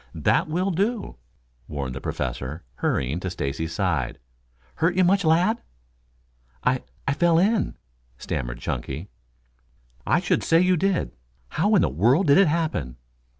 "That will do," warned the Professor, hurrying to Stacy's side. "Hurt you much, lad?" "I I fell in," stammered Chunky. "I should say you did. How in the world did it happen?"